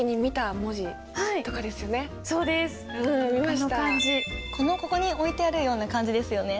このここに置いてあるような漢字ですよね？